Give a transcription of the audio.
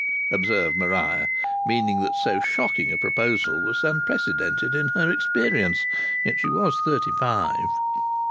observed Maria, meaning that so shocking a proposal was unprecedented in her experience. Yet she was thirty five.